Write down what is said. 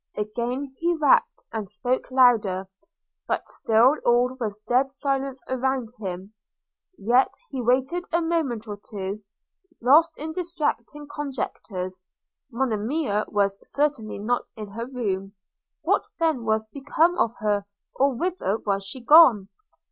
Again he rapped, and spoke louder; but still all was dead silence around him. – Yet he waited a moment or two – lost in distracting conjectures – Monimia was certainly not in her room – what then was become of her, or whither was she gone?